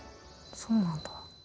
そうなんだ。